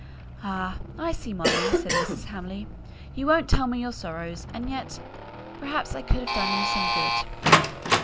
"Ah! I see, Molly," said Mrs. Hamley; "you won't tell me your sorrows, and yet, perhaps, I could have done you some good."